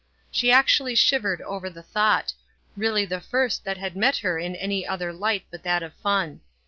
She actually shivered over the thought — really the first that had met her in any other light but that of fun.